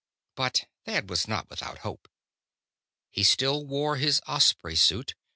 But Thad was not without hope. He still wore his Osprey suit.